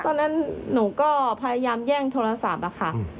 ตอนนั้นหนูก็พยายามแย่งโทรศัพท์อะค่ะ